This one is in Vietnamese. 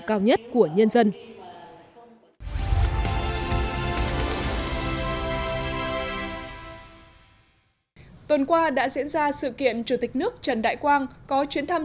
cao nhất của nhân dân tuần qua đã diễn ra sự kiện chủ tịch nước trần đại quang có chuyến thăm